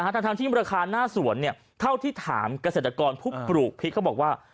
ทั้งที่ราคาหน้าสวนเท่าที่ถามเกษตรกรผู้ปลูกพริกเขาบอกว่า